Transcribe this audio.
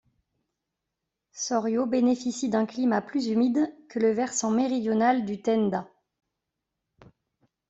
Sorio bénéficie d'un climat plus humide que le versant méridional du Tenda.